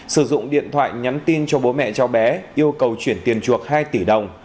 sử dụng điện thoại nhắn tin cho bố mẹ cháu bé yêu cầu chuyển tiền chuộc hai tỷ đồng